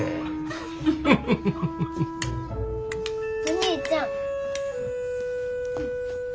お兄ちゃん。